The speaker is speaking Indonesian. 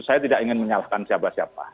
saya tidak ingin menyalahkan siapa siapa